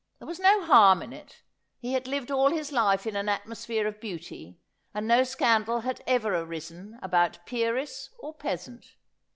There was no harm in it. He had lived all his life in an atmosphere of beauty, and no scandal had ever arisen about peeress or peasant.